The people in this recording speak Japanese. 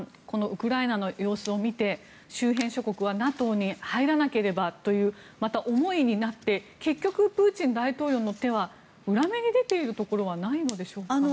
このウクライナの様子を見て周辺諸国はＮＡＴＯに入らなければというまた思いになって結局プーチン大統領の手は裏目に出ているところはないのでしょうか。